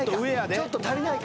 ちょっと足りないか」